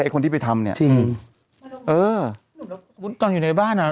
ไอ้คนที่ไปทำเนี้ยจริงเออก่อนอยู่ในบ้านอ่ะ